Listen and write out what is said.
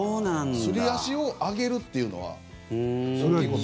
すり足を上げるというのは大きいこと。